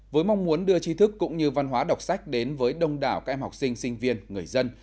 với mong muốn đưa trí thức cũng như văn hóa đọc sách đến với đông đảo các em học sinh sinh viên người dân